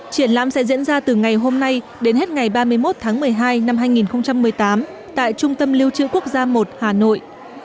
triển lãm sẽ diễn ra từ ngày hôm nay đến hết ngày ba mươi một tháng một mươi hai năm hai nghìn một mươi tám tại trung tâm lưu trữ quốc gia một hà nội